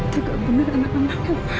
jika benar anak anaknya bapak